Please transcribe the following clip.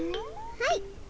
はい。